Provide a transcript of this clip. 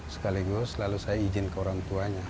sekaligus lalu saya izin ke orang tuanya